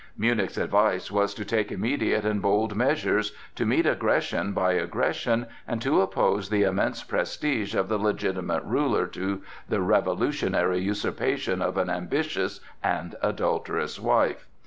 Münnich's advice was to take immediate and bold measures, to meet aggression by aggression, and to oppose the immense prestige of the legitimate ruler to the revolutionary usurpation of an ambitious and adulterous wife.